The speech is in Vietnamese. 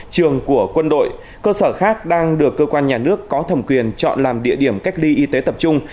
trường của quân đội cơ sở khác đang được cơ quan nhà nước có thẩm quyền chọn làm địa điểm cách ly y tế tập trung